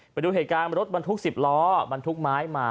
ไปดูเหตุการณ์รถบรรทุก๑๐ล้อบรรทุกไม้มา